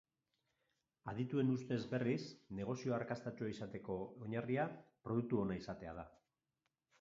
Adituen ustez, berriz, negozio arrakastatsua izateko oinarria produktu ona izatea da.